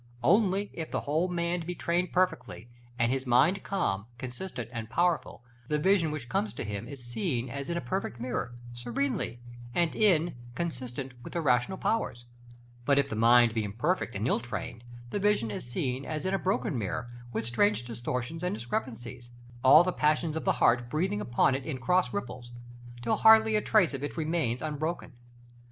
Only, if the whole man be trained perfectly, and his mind calm, consistent and powerful, the vision which comes to him is seen as in a perfect mirror, serenely, and in consistence with the rational powers; but if the mind be imperfect and ill trained, the vision is seen as in a broken mirror, with strange distortions and discrepancies, all the passions of the heart breathing upon it in cross ripples, till hardly a trace of it remains unbroken.